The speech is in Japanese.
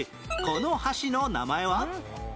この橋の名前は？